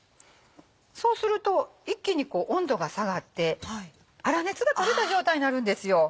そうすると一気に温度が下がって粗熱が取れた状態になるんですよ。